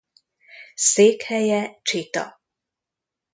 Székhelye Csita.